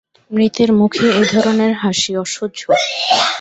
মৃতের মুখে এ ধরনের হাসি অসহ্য।